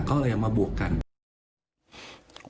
ก็เลยเอามาบวกกัน